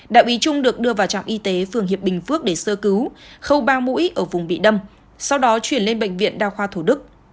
đại úy trung được đưa vào trạm y tế phường hiệp bình phước để sơ cứu khâu ba mũi ở vùng bị đâm sau đó chuyển lên bệnh viện đa khoa thủ đức